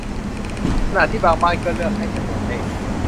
ขณะที่บางบ้านก็เลือกให้จำนวนเลข